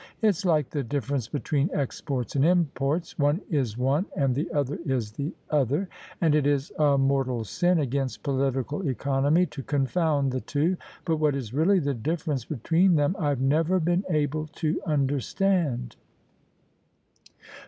It's like the differ ence between exports and imports : one is one and the other is the other, and it is a mortal sin against political economy to confound the two: but what is really the difference between them I've never been able to understand."